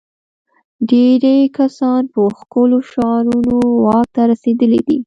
ډېری کسان په ښکلو شعارونو واک ته رسېدلي دي.